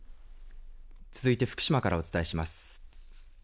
続いて福島からお伝えします。